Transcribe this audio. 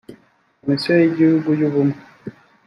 komisiyo y igihugu y ubumwe